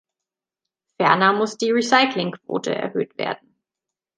Ferner muss die Recyclingquote erhöht werden.